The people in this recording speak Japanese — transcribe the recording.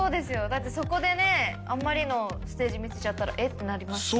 だってそこでねあんまりのステージ見せちゃったら「えっ？」ってなりますし。